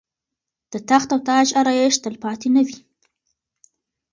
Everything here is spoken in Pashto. د تخت او تاج آرایش تلپاتې نه وي.